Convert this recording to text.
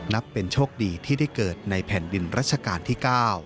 นับเป็นโชคดีที่ได้เกิดในแผ่นดินรัชกาลที่๙